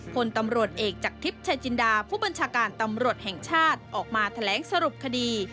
พลตำรวจเอกจากทิพย์ชายจินดาผู้บัญชาการตำรวจแห่งชาติออกมาแถลงสรุปคดี